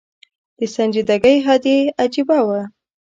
د سنجیدګۍ حد یې عجېبه و.